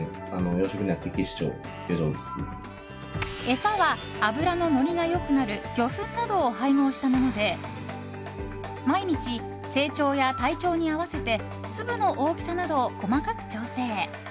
餌は、脂ののりが良くなる魚粉などを配合したもので毎日、成長や体調に合わせて粒の大きさなどを細かく調整。